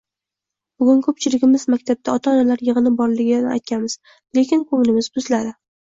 Bugun ko'pchiligimiz maktabda ota-onalar yig'ini borligini aytamiz, lekin ko'nglimiz buziladi